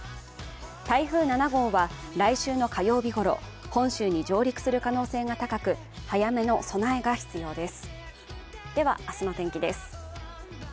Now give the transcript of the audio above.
台風７号は来週の火曜日ごろ本州に上陸する可能性が高く、早めの備えが必要です。